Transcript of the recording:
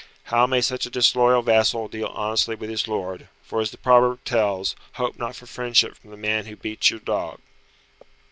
How may such a disloyal vassal deal honestly with his lord, for as the proverb tells, 'Hope not for friendship from the man who beats your dog!'"